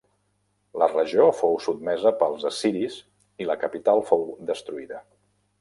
La regió fou sotmesa pels assiris i la capital fou destruïda.